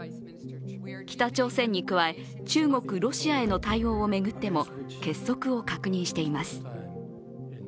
北朝鮮に加え中国・ロシアへの対応を巡っても結束を確認しています。